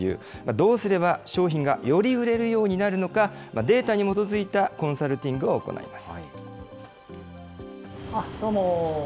どうすれば商品がより売れるようになるのか、データに基づいたコンサルティングを行います。